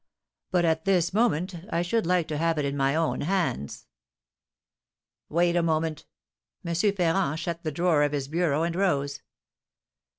But, at this moment, I should like to have it in my own hands." "Wait a moment." M. Ferrand shut the drawer of his bureau, and rose.